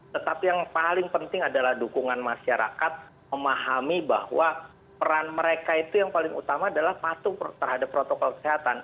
tetapi yang paling penting adalah dukungan masyarakat memahami bahwa peran mereka itu yang paling utama adalah patuh terhadap protokol kesehatan